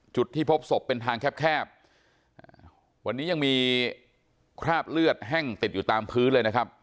จุดที่พบศพเป็นทางแคบแคบวันนี้ยังมีคราบเลือดแห้งติดอยู่ตามพื้นเลยนะครับ